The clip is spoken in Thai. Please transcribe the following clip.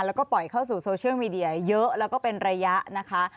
แล้วก็ปล่อยเข้าสู่โซเชียลมีเดียเยอะแล้วก็เป็นระยะนะคะ